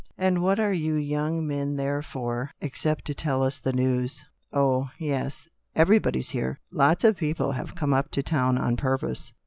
And what are you young men there for except to tell us the news ?" "Oh, yes. Everybody's here. Lots of people have come up to town on purpose.